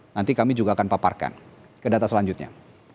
nanti kami juga akan paparkan ke data selanjutnya